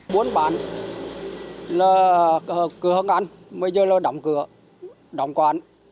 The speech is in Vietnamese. muốn bán là